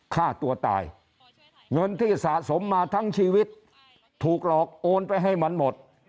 ฆ่าตัวตายเงินที่สะสมมาทั้งชีวิตถูกหลอกโอนไปให้มันหมด